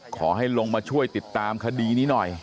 ขอให้ลงมาช่วยติดตามคดีนี้หน่อย